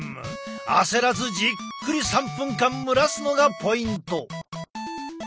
焦らずじっくり３分間蒸らすのがポイント！